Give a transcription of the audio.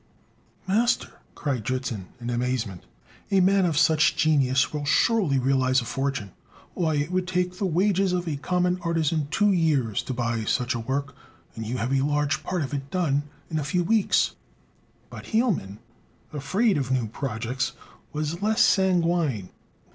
"Master," cried Dritzhn in amazement, "a man of such genius will surely realize a fortune! Why, it would take the wages of a common artisan two years to buy such a work; and you have a large part of it done in a few weeks." But Hielman, afraid of new projects, was less sanguine.